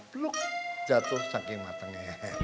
pluk jatuh saking matengnya